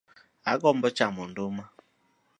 Agombo chamo nduma